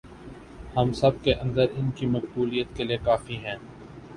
ہم سب کے اندر ان کی مقبولیت کے لئے کافی ہیں